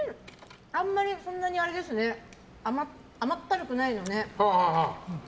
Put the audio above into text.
あんまりあれですね甘ったるくないのね。